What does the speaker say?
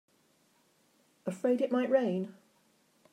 Afraid it might rain?